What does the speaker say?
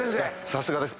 さすがです。